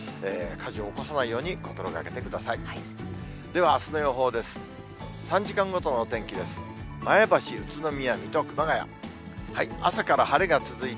火事を起こさないように心がけてください。